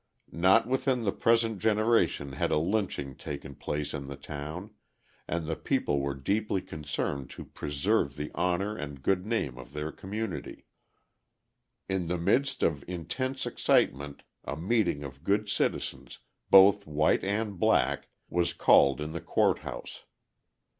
Not within the present generation had a lynching taken place in the town, and the people were deeply concerned to preserve the honour and good name of their community. In the midst of intense excitement a meeting of good citizens, both white and black, was called in the court house.